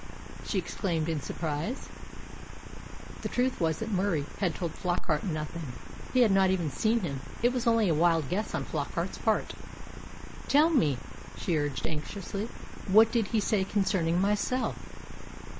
she exclaimed in surprise. The truth was that Murie had told Flockart nothing. He had not even seen him. It was only a wild guess on Flockart's part. "Tell me," she urged anxiously, "what did he say concerning myself?"